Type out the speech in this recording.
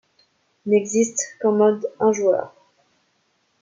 N'existe qu'en mode un joueur.